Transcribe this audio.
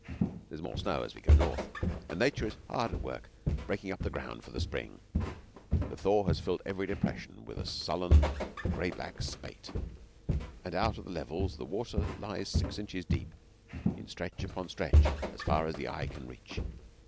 There is more snow as we go north, and Nature is hard at work breaking up the ground for the spring. The thaw has filled every depression with a sullen gray black spate, and out on the levels the water lies six inches deep, in stretch upon stretch, as far as the eye can reach.